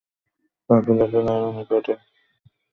কাফেলাকে আরো নিকটে আসার সুযোগ দেয়া হয়।